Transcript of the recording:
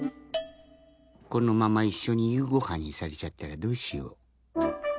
このままいっしょにゆうごはんにされちゃったらどうしよう。